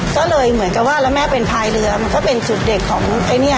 ก็เลยเหมือนกับว่าแล้วแม่เป็นพายเรือมันก็เป็นสูตรเด็ดของไอ้เนี่ย